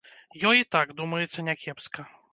Ёй і так, думаецца, някепска.